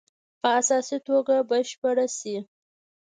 په اساسي توګه بشپړې شي.